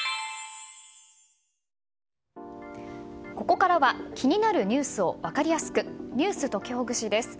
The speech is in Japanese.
ここからは気になるニュースを分かりやすくｎｅｗｓときほぐしです。